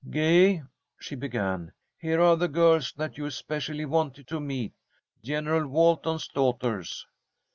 "Gay," she began, "here are the girls that you especially wanted to meet: General Walton's daughters."